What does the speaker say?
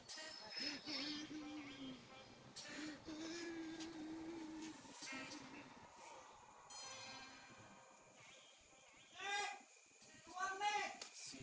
tengah main mas